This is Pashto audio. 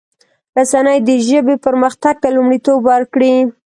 رسنی دي د ژبې پرمختګ ته لومړیتوب ورکړي.